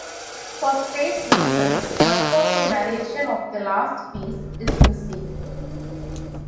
For space reasons, much of the narration of the last piece is missing.